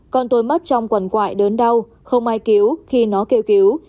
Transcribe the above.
con tôi mất trong quần quại đớn đau không ai cứu khi nó kêu cứu